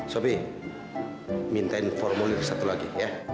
sopir mintain formulir satu lagi ya